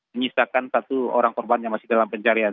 menyisakan satu orang korban yang masih dalam pencarian